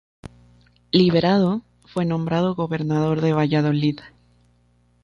Liberado, fue nombrado gobernador de Valladolid.